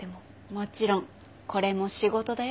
もちろんこれも仕事だよ。